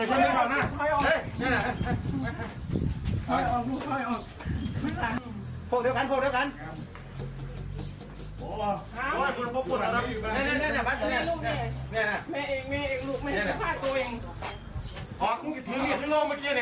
มีอีกมีอีกลูกมีอีกลูกตัวตัวเอง